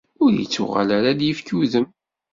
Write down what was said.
Ur ittuɣal ara ad d-ifk udem?